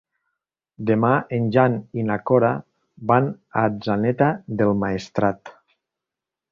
Demà en Jan i na Cora van a Atzeneta del Maestrat.